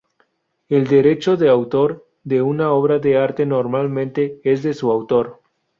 El derecho de autor de una obra de arte normalmente es de su autor.